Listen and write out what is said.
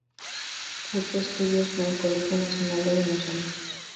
Cursó estudios en el Colegio Nacional de Buenos Aires.